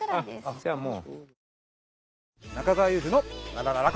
じゃあもう。